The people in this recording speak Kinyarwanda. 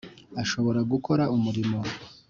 ashobora gukora umirimo.